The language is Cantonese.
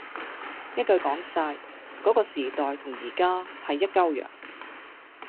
一句講晒，嗰個時代同依家係一鳩樣，